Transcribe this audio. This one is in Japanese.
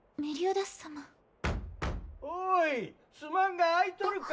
・ドンドン・おいすまんが開いとるか？